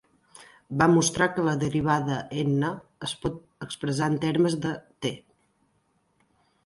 Va mostrar que la derivada "n" es pot expressar en termes de "T".